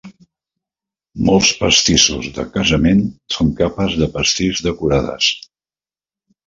Molts pastissos de casament són capes de pastís decorades.